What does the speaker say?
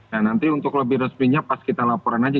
nah nanti untuk lebih resminya pas kita laporan aja